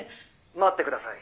「待ってください。